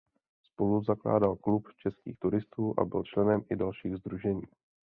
Spoluzakládal Klub českých turistů a byl členem i dalších sdružení.